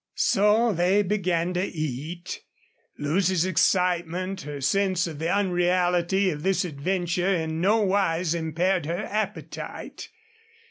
So they began to eat. Lucy's excitement, her sense of the unreality of this adventure, in no wise impaired her appetite.